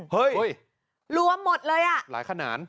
เฮ้ยรวมหมดเลยอ่ะหลายขนาด